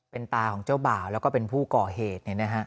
เป็นตาของเจ้าบ่าวแล้วก็เป็นผู้ก่อเหตุ